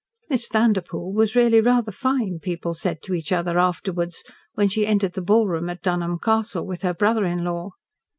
Miss Vanderpoel was really rather fine, people said to each other afterwards, when she entered the ballroom at Dunholm Castle with her brother in law.